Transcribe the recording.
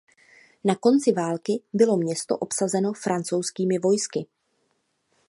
Na konci války bylo město obsazeno francouzskými vojsky.